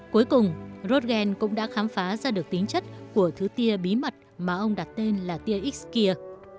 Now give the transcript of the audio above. cuối cùng roten cũng đã khám phá ra được tính chất của thứ tia bí mật mà ông đặt tên là tia x kia